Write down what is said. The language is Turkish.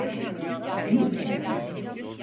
İkimiz de mi?